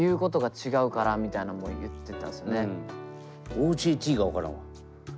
ＯＪＴが分からんわ。